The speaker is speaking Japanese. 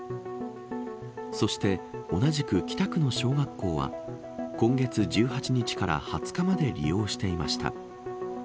そして、同じく北区の小学校は今月１８日から２０日まで利用していました。